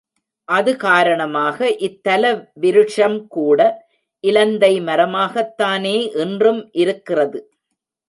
அது காரணமாக இத்தல விருக்ஷம் கூட, இலந்தை மரமாகத்தானே இன்றும் இருக்கிறது.